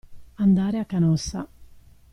Andare a Canossa.